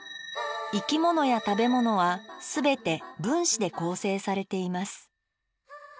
生き物や食べ物は全て分子で構成されています。